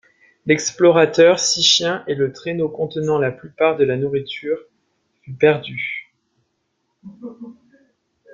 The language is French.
L'explorateur, six chiens et le traîneau contenant la plupart de la nourriture fut perdu.